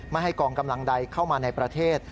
ไม่ให้กองกำลังใดเข้ามาในประเทศ